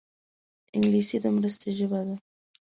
انګلیسي د مرستې ژبه ده